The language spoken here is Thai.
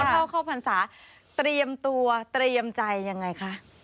เข้าเข้าพรรษาเตรียมตัวเตรียมใจยังไงคะ